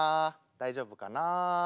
大丈夫かな？